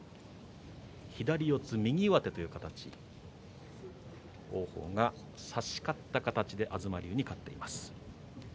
左四つ右上手という形王鵬が差し勝った形で東龍に勝っています。